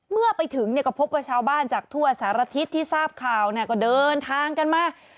เมื่อไปถึงเนี่ยก็พบว่าชาวบ้านจากทั่วสารทิศที่ทราบข่าวก็เดินทางกันมา